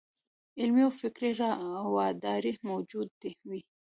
علمي او فکري راوداري موجوده وي.